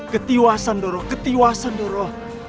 ketiwasan doro ketiwasan doro